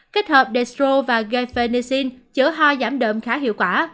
kết hợp destro và guifenicin chữa ho giảm đờm khá hiệu quả